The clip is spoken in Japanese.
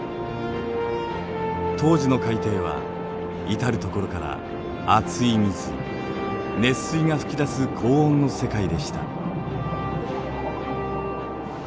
当時の海底は至る所から熱い水熱水が噴き出す高温の世界でした。